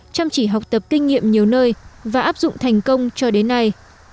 chăm chỉ học tập kinh nghiệm nhiều nơi và áp dụng thành công cho đến nay